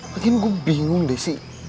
mungkin gua bingung deh sih